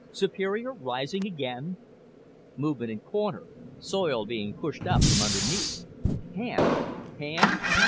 Superior rising again? Movement in corner soil being pushed up from underneath. Hand. Hand?